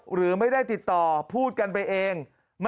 หรือไม่ได้ติดต่อพูดกันไปเอง